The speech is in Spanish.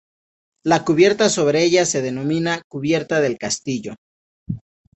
La cubierta sobre ella se denomina cubierta del castillo.